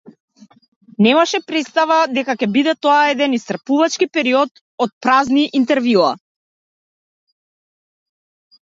Немаше претстава дека ќе биде тоа еден исцрпувачки период од празни интервјуа.